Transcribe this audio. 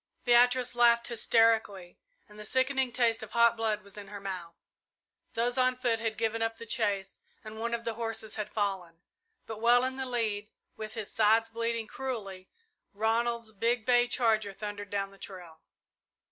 Beatrice laughed hysterically and the sickening taste of hot blood was in her mouth. Those on foot had given up the chase and one of the horses had fallen, but well in the lead, with his sides bleeding cruelly, Ronald's big bay charger thundered down the trail.